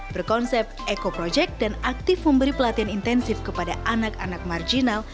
berkonsep eco project dan aktif memberi pelatihan intensif kepada anak anak marginal